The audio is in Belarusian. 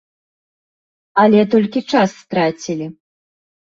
Але толькі час страцілі.